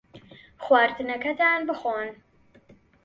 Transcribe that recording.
خواردنەکەتان بخۆن.